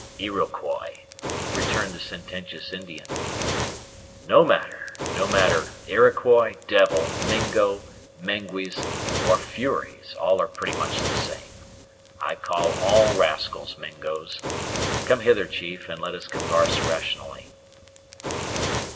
"Iroquois," returned the sententious Indian. "No matter, no matter; Iroquois, devil, Mingo, Mengwes, or furies all are pretty much the same. I call all rascals Mingos. Come hither, chief, and let us convarse rationally."